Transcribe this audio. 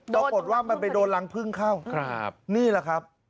ปรากฏว่ามันไปโดนรังพึ่งเข้า